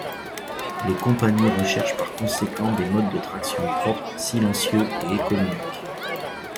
Les compagnies recherchent par conséquent des modes de traction propres, silencieux et économiques.